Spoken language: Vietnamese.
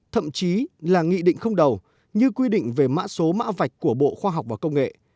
thậm chí là nghị định không đầu như quy định về mã số mã vạch của bộ khoa học và công nghệ